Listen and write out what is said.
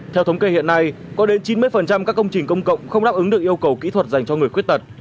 theo thống kê hiện nay có đến chín mươi các công trình công cộng không đáp ứng được yêu cầu kỹ thuật dành cho người khuyết tật